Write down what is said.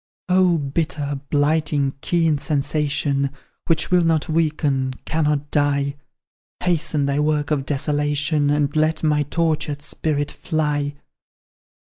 "Oh, bitter, blighting, keen sensation, Which will not weaken, cannot die, Hasten thy work of desolation, And let my tortured spirit fly!